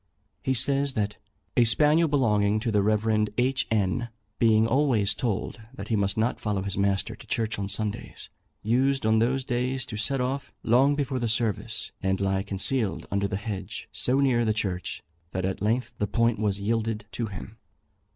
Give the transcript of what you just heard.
He says that "A spaniel belonging to the Rev. H. N., being always told that he must not follow his master to church on Sundays, used on those days to set off long before the service, and lie concealed under the hedge, so near the church, that at length the point was yielded to him."